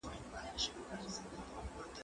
دا کتابونه له هغو مهم دي؟